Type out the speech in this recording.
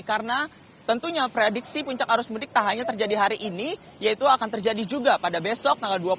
karena tentunya prediksi puncak arus mudik tak hanya terjadi hari ini yaitu akan terjadi juga pada besok tanggal dua puluh